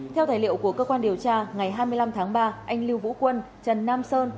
theo tài liệu của cơ quan điều tra ngày hai mươi năm tháng ba anh lưu vũ quân trần nam sơn